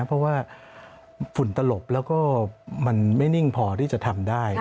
เพราะว่าฝุ่นตลบแล้วก็มันไม่นิ่งพอที่จะทำได้